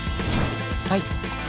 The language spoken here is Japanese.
はい。